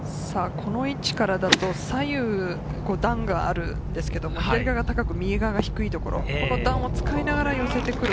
この位置からだと左右、段があるんですけれど、右側が低い所、段を使いながら寄せてくる。